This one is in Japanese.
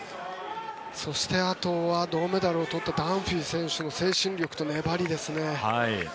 そして、あとは銅メダルを取ったダンフィー選手の精神力と粘りですね。